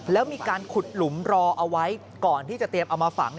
แล้วมีการขุดหลุมรอเอาไว้ก่อนที่จะเตรียมเอามาฝัง